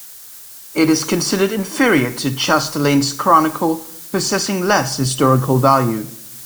It is considered inferior to Chastellain's chronicle, possessing less historical value.